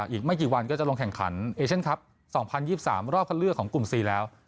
อีกไม่กี่วันก็จะลงแข่งขันเอเชียนคลับ๒๐๒๓รอบคันเลือกของกลุ่ม๔แล้ว